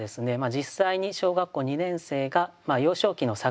実際に小学校２年生が幼少期の作者がですね